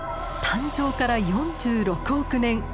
誕生から４６億年。